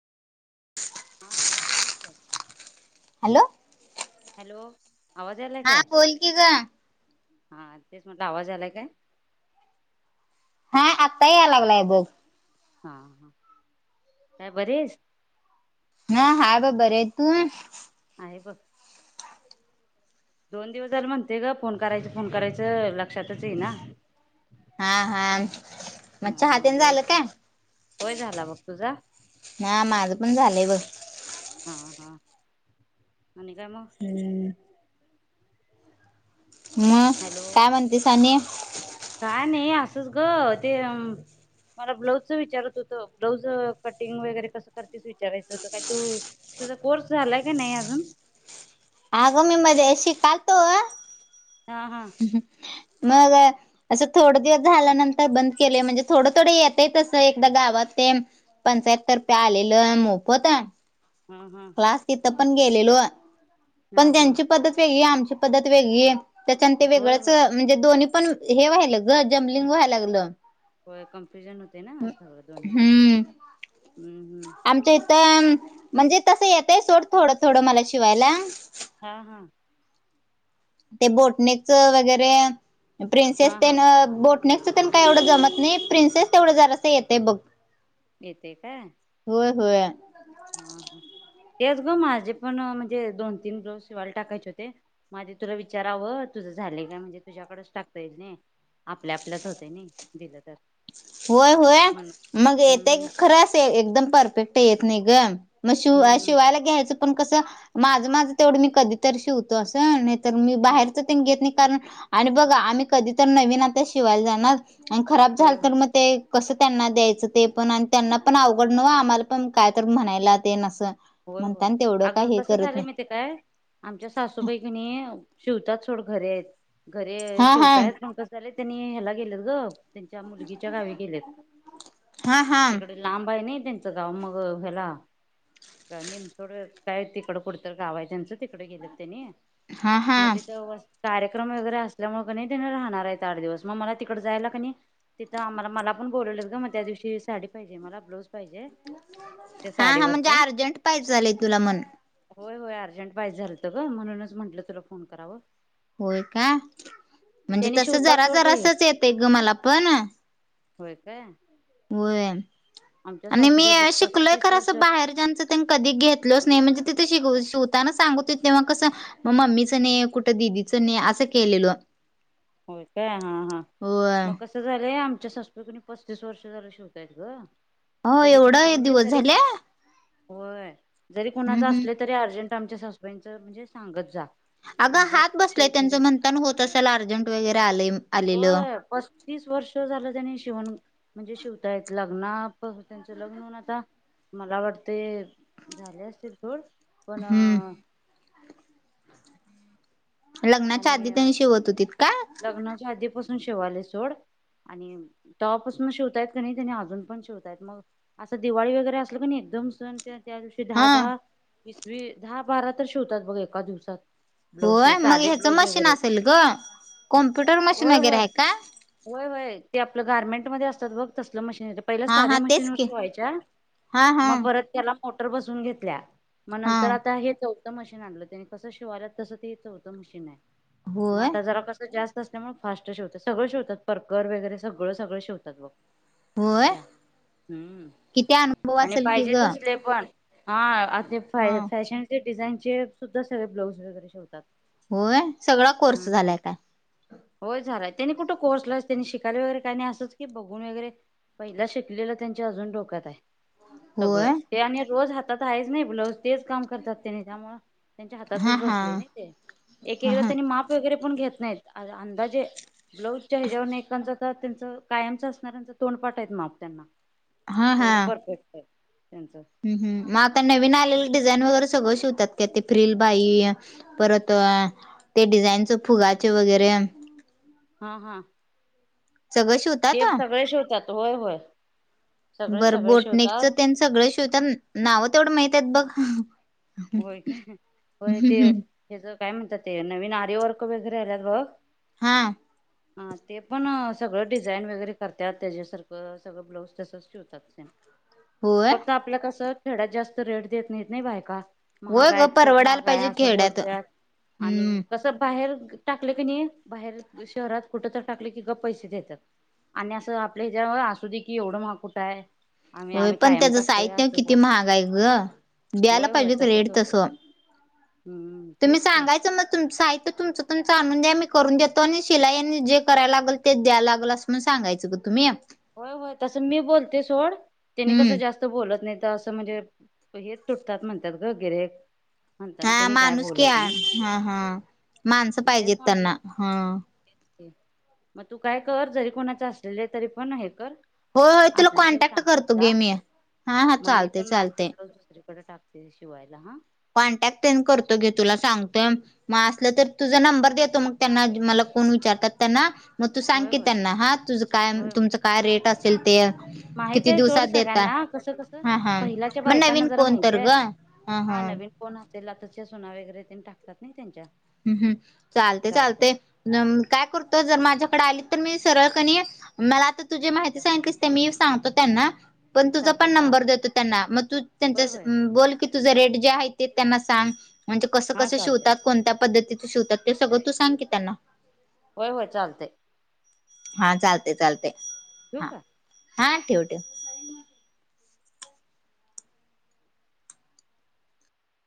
हां काय कराल्यात hello hello आवाज यायलात हा काय बोल की ग हा तेच म्हणल आवाज आलाय काय हा आत्ता, या लागलाय बघ हा ह काय बरी आहेस? ह हा बर आहे तु, आहे बघ. दोन दिवस झाले म्हणते, ग फोन करायच फोन करायचं, लक्षातच ये ना हा हा मग चहा ह तेन वेळ झालं का? पण होय झाला बघ तुझा हा हा माझं पण झालंय बघ, हां हां आणिन काय मग, हम्म मग हॅलो काय म्हणतीस आणि, काय नाही असंच ग ते मला ब्लाऊजचं विचारत होतं, ब्लाऊज कटिंग वगैरे कसं, करतेस विचारायचं होतं काय तु तुझा कोर्स झालाय का नाही अजुन, अग मी मध्ये शिकालतो, हा हा मग, असं थोड दिवस झाल्यानंतर बंद केले, म्हणजे थोडं थोड येत तं एकदा गावात ते पंचाहत तर्फे आलेलं मोफत, हंहं, क्लास तिथं पण गेलेलो, हा पण हा त्यांची पद्धत वेगळी आहे, आमची पद्धत वेगळी आहे, त्याच्यान ते होय वेगळंच होय म्हणजे दोन्ही पण हे व्हायलं ग जम्बलिंग व्हायला लागलं. हो कन्फ्युजन होते ना, असगळं दोन्ही पण हम्म हम हम, तर म्हणजे तसं येत आहे, सोड थोडं थोडं मला शिवायला, हा हा, ते बोटने वगैरे प्रिन्सेस हा ते हा ब नक् काय एवढं जमत नाही, प्रिन्सेस तेवढं जरास येते बघ, येते काय, होय, होय, हा हा तेच ग माझे पण म्हणजे, दोन तीन ब्लाऊज शिवायला टाकायचे होते. माधी तुला विचारावं तुझं झालेय, काय म्हणजे तुझ्याकडच टाकता येईल नाही. आपल्या आपल्याच होते, नाही दिलं तर. होय होय म्हण मग हम्म येतय खरच, एकदम परफेक्ट येत नाही ग, मग शिव हम्म हम्म हम्म शिवायला घ्यायचं, पण कसं माझं माझं तेवढं मी कधी तर शिवतो असं. तर मी हं. बाहेरच ते घेत नाही, कारण आणि बघा आम्ही कधी तर नवीन आता शिवाय जाणार, आणि खराब होय झालं तर होय मग, ते कसं त्यांना द्यायचं ते पण आणि, त्यांना पण अवघड नव आम्हाला पण काय तर म्हणायला तेसंअसं, होय होय म्हणताना तेवढं काय अगं हे कसं करत झालं नाही. मी ते काय आमच्या सासूबाई कानी, शिवतात सोड घरे आहेत. घरी हा हा शिवतायत पण कसंले, त्यांनी ह्याला गेलेत ग, त्यांच्या मुलगीच्या गावी गेलेत हा हा तिकडे लांब आहेण त्यांचं गाव मग ह्याला, का निमचकड काय तिकडं कुडतं, गावा त्यांचं तिकडे गेलं त्यांनी, हा हा मग तिथं वस, कार्यक्रम वगैरे असल्यामुळे कनी तेनी राहणार आहेत, आठ दिवस मग मला तिकडे जायला कणी तिथं आम्हाला मला बोलवलं, ग मग त्या दिवशी साडी पाहिजे मला ब्लाऊज, पाहिजे त्या हा हा साडीवरच म्हणजे अर्जंट, पाहिजलय तुला म्हण, होय होय अर्जंट पाहिजे, झालत ग म्हणूनच म्हंटलं तुला फोन करावं. होय का, म्हणजे त्यांनी तस शिवतात जरा सोड बाई जरासच येतय ग मला पण, होय, काय. होय आमच्या आणि मी सासूबाई बघ शिकलोय पस्तीस खर वर्ष असं बाहेर जाचं कधी घेतलोच नाही म्हणजे तिथे श शवताना सांगत त तेवग कसं मग मम्मीचं नाही कुठं दिदीचं नाही असं केलेलं होय काय हा हा होय. मग कस झालं आमच्या सस्प कणी पस्तीस वर्ष झालं शिवतायत ग हो कधी एवढं पण आहे म्हणजे दिवस जरी झाले होय जरी हम्म कोुणाचं हम्म. असलं तरी अर्जंट आमच्या ससबेंच म्हणजे सांगत जा अग म्हणजे हात बसलाय शिवून त्यांचं देत म्हणताना होत असाल अर्जंट वगैरे आलेय हो पस तीस वर्ष झालं त्यांनी शिवण म्हणजे शिवता येत लग्ना त्यांचं लग्नन आता मला वाटते झाले असतील थोड पण हम्म लग्नाच्या आणि आधी त्यांनी शिवत होतीत काय? लग्नाच्या आधीपासून शिवाले सोड आणि तपासून शिवतायत क नाही त्यानी अजून पण शिवतायत मग असं दिवाळी वगैरे असल का एकदम सण त्या त्या दिवशी दहा हा दहा वीस व दहा बारा तर शिवतात बघ एका दिवसात ब्लाऊज ते होय मग साधे ह्याचं ब्लाऊज मशीन वगैरे असेल ग कॉम्प्युटर मशीन होय वगैरे होय आहे का होय होय ते आपलं गार्मेंटमध्येध्ये असतात बघ तसलं मशीन पहिल्या हा साध्या हा तेच मशीनवर की. शोवायच्या हा हा मग परत ब घ म आ हा च म शिवाल्या तस ते चौथं मशीन आहे मग होय आता जरा कस जास्त असल्यामुळे फाट शेवत सगळं शिवातर् वगैरे सगं सगळं शिवतात मग होय त्या हम्म किती अनुभव आणि असेल की पाहिजे ग तसले पण हा आ ते हा फॅ फॅशनचे डिझाईनचे सुद्धा सगळे ब्लाऊज वगैरे शेवतात होय सगळा कोर्स झालाय काय होय झालाय त्यांनी कुठं कोर्सला त्यांनी शिकायला वगैरे काही नाही असंच की बघून वगैरे पहिला शिकलेला त्यांच्या अजून डोक्यात आहे होय सगळं ते आणि रोज हातात आहेच नाही ब्लाऊज तेच काम करतात त्यांनी त्यामुळ त्यांच्या हा हातातच हा बसले नाही ते एक हा एकदा हा त्यांनी माप वगैरे पण घेत नाहीत अंदाजे ब्लाऊजच्या हिजावर एककांच त्यांच कायमच असणाऱ्यांच तोंड पाठायेत माग त्यांना एवढं परफेक्ट आहे त्यांचं ह् हम् मग आता नवीन आलेली डिझाईन वगैरे सगळं शिवतात का ते फ्रिील बाई परत ते डिझाईनच फुगाचे वगैरे हा हा सगळ श होत तेप सगळे श होतात होय होय सगळे बरं सगळे शिवतात बोटनेकचं त्यां सगळं शिवतात नाव तेवढं माहित बघ हम् हम्म त्याचं काय म्हणतात ते नवीन आर्यवर्क वगैरे आल्यात बघ हा [inaudible] हा ते पण सगळं डिझाईन वगैरे करतात त्याच्यासारखं सगळं ब्लाऊज तसंच ठेवतात होय फक्त आपल्या कसं थेड्यात जास्त रेट देत नाहीेत नाही बाय का होय महागा ग आहेत खूप परवडायला महागा आहे पाहिजे असं खेड्यात बोलतात आणि हम्म कसं बाहेर टाकले की नाही बाहेर शहरात कुठं तर टाकले की ग पैसे देतात आणि असं आपल्या ह्याच्या असू दे की एवढं म कुठं आहे आम्ही होय आम्ही पण कायम त्याचं टाकतोय साहित्य असं किती बोलतात महागा आहे ग द्यायला होय होय पाहिजे तसंच रेट होतं तसं हम्म तुम्ही तेच की. सांगायं मग तुमं आहेय तर तुचं तुमच आणून द्या मी करून देतो आणि शिलाईयाने जे करायला लागल ते द्याय लागेल असंण सगायचं ग तुम्ही होय होय तसं मी बोलते सोड त्याने कसं हम्म जास्त बोलत नाही तर असं म्हणजे हेच तुटतात म्हणतात ग गेरे हा माणूस क हा हा माणसं तेच पाहिजेत त्यांना म्हटलं हा मग तू काय कर जरी कोणाच असलेलं तरी पण आहे कर होय होय तुला असले तर कॉन्टॅक्ट सांगत करतो जा गे मी हा हा मग मी चालते पण माझे चालते ब्लाऊज दुसरीकडे टाक शिवायला हा कॉन्टॅक्ट करतो घे तुला सांगतोय मग असलं तर तुझा नंबर देतो मग त्यांना मला कोण विचारतात त्यांना मग तू होय सांगते होय त्यांना हा तुझ काय होय होय तुमचं काय रेट असेल ते माहित किती आहे सोड दिवसात देता सगळ्यांना कसं कसं हा हा पहिल्याच्या मग बायकांना नवीन जरा कोण तर माहितीय ग आहे हा नवीन कोण तेला तच्या सुना वगैरे ते टाकतात नाही त्यांच्या हम् हम् चालते चालते काय करतो जर माझ्याकडे आली तर मी सरळ कणी मला आता तुझी माहिती सांगितलीस ते मी सांगतो त्यांना पण तुझा चालते पण नंबर चालते देतो त्यांना मग तू त्यांचा होय होय बोल ते त्यांना सां म्हणे क हा कस चालते कोण पद्धती शिवतात ते सगळं तू सांग की त्यांना होय होय चालतय हा चालते चालते ठेवू हा का हा ठेव ठेव